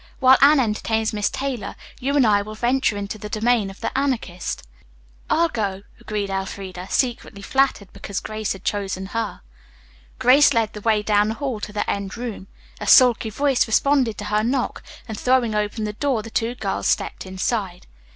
While Anne entertains Miss Taylor you and I will venture into the domain of the Anarchist." "I'll go," agreed Elfreda, secretly flattered because Grace had chosen her. Grace led the way down the hall to the end room. A sulky voice responded to her knock, and throwing open the door the two girls stepped inside.